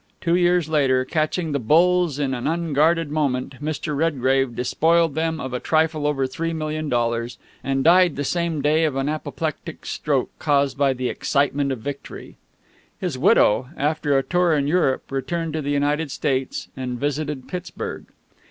Two years later, catching the bulls in an unguarded moment, Mr. Redgrave despoiled them of a trifle over three million dollars, and died the same day of an apoplectic stroke caused by the excitement of victory. His widow, after a tour in Europe, returned to the United States and visited Pittsburg.